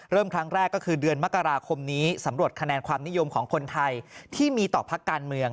ครั้งแรกก็คือเดือนมกราคมนี้สำรวจคะแนนความนิยมของคนไทยที่มีต่อพักการเมือง